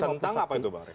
tentang apa itu pak